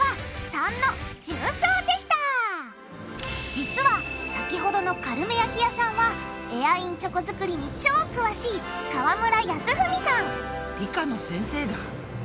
実は先ほどのカルメ焼き屋さんはエアインチョコ作りに超詳しい川村康文さん理科の先生だ。